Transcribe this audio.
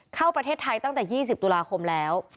เข้าประเทศไทยตั้งแต่๒๐ตุลาคมแล้ว